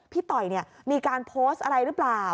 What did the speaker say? พี่ต๋อยเนี่ยมีการโพสต์อะไรรึเปล่า